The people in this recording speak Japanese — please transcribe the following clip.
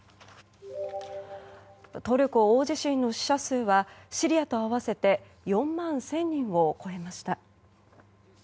トルコ大地震の死者数はシリアと合わせて４万１０００人を超えました。